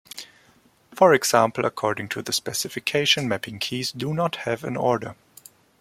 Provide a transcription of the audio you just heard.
For example, according to the specification, mapping keys do not have an order.